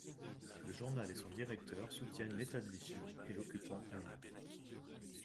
Le journal et son directeur soutiennent l'État de Vichy et l'occupant allemand.